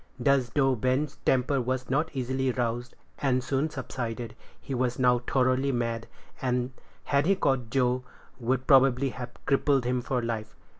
Thus, though Ben's temper was not easily roused, and soon subsided, he was now thoroughly mad, and, had he caught Joe, would probably have crippled him for life.